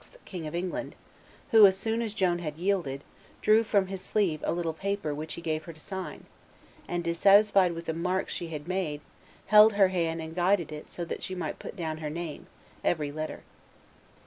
King of England, who, as soon as Joan had yielded, drew from his sleeve a little paper which he gave to her to sign, and, dissatisfied with the mark she had made, held her hand and guided it so that she might put down her name, every letter.